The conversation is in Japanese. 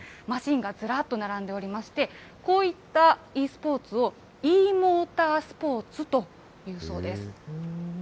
マシンがずらっと並んでおりまして、こういったｅスポーツを、ｅモータースポーツというそうです。